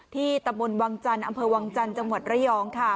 ตำบลวังจันทร์อำเภอวังจันทร์จังหวัดระยองค่ะ